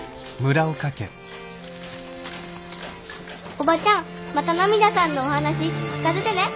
おばちゃんまた「ナミダさん」のお話聞かせてね。